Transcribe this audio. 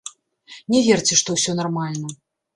Не верце, што ўсё нармальна.